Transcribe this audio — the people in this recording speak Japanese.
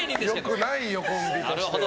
良くないよコンビとしては。